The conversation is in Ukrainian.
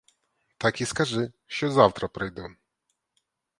Так і скажи, що завтра прийду.